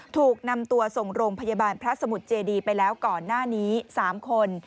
ถูกนำตัวส่งโรงพยาบาลพระสมุทรเจดีไปแล้วก่อนหน้านี้๓คน